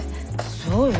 そうよ。